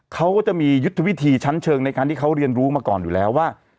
เขาก็จะมียุทธวิธีชั้นเชิงในการที่เขาเรียนรู้มาก่อนอยู่แล้วว่า